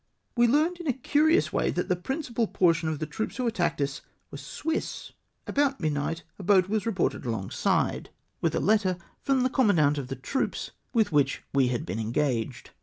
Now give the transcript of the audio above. We learned in a curious way that the principal portion of the troops Avho attacked us were Swiss ! About nndnight a boat was reported alongside with a FALL IN WITH THE CYRENE. 331 letter from the commandant of the troops with whicli we had been engaged.